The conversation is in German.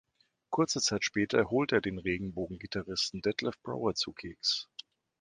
Kurze Zeit später holte er den Regenbogen-Gitarristen Detlef Brauer zu Keks.